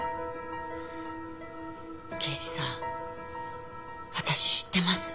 刑事さん私知ってます。